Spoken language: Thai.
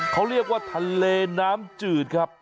เขาเรียกว่าทะเลน้ำจืดครับ